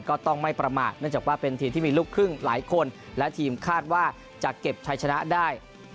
ก็ต้องไม่ประมาทเนื่องจากว่าเป็นทีมที่มีลูกครึ่งหลายคนและทีมคาดว่าจะเก็บชัยชนะได้